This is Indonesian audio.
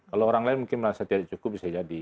kalau orang lain mungkin merasa tidak cukup bisa jadi